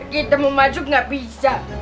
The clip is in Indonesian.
kita mau maju gak bisa